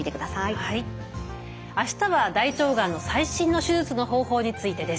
明日は大腸がんの最新の手術の方法についてです。